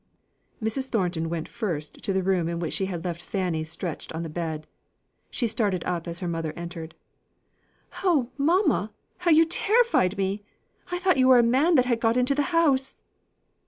Mrs. Thornton went first to the room in which she had left Fanny stretched on the bed. She started up as her mother entered. "Oh, mamma, how you terrified me! I thought you were a man that had got into the house."